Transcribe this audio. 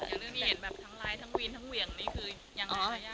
เรื่องที่เห็นแบบทั้งไลน์ทั้งวินทั้งเหวี่ยงนี่คือยังไงทายาท